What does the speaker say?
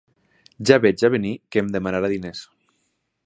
Ja veig a venir que em demanarà diners.